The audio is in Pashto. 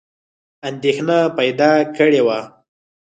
اندېښنه پیدا کړې وه.